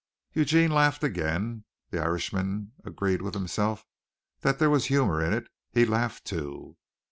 Eugene laughed again. The Irishman agreed with himself that there was humor in it. He laughed too.